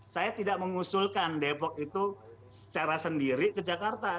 saya tidak mengusulkan depok itu secara sendiri ke jakarta